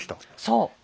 そう。